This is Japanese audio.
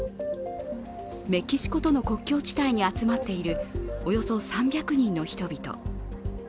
メキシコとの国境地帯に集まっている、およそ３００人の人々。